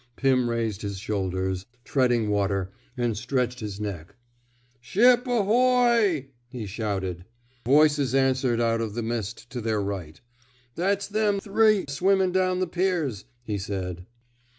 Pim raised his shoulders, treading water, and stretched his neck. Ship ahoy! *' he shouted. Voices answered out of the mist to their right. That's them three swimmin' down the piers,'' he said.